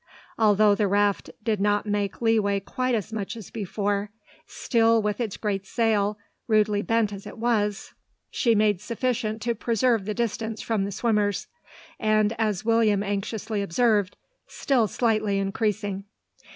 Although the raft did not make leeway quite as much as before, still with its great sail, rudely bent as it was, she made sufficient to preserve the distance from the swimmers; and, as William anxiously observed, still slightly increasing.